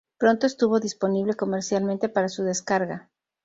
Pronto estuvo disponible comercialmente para su descarga.